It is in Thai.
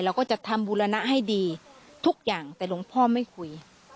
เราก็จะทำบูรณะให้ดีทุกอย่างแต่หลวงพ่อไม่คุย